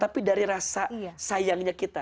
tapi dari rasa sayangnya kita